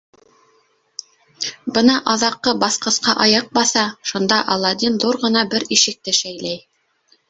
Бына аҙаҡҡы баҫҡысҡа аяҡ баҫа, шунда Аладдин ҙур ғына бер ишекте шәйләй.